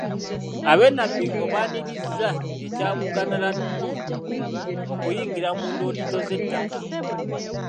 Ab’e Nabbingo baanirizza ekya Buganda Land Board okuyingira mu ndooliito z'ettaka.